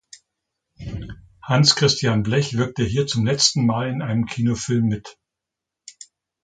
Hans Christian Blech wirkte hier zum letzten Mal in einem Kinofilm mit.